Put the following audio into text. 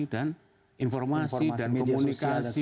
dan informasi dan komunikasi